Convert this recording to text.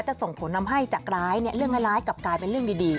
ส่งผลทำให้จากร้ายเนี่ยเรื่องร้ายกลับกลายเป็นเรื่องดี